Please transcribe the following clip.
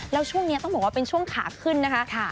แล้วช่วงนี้ต้องบอกว่าเป็นช่วงขาขึ้นนะคะ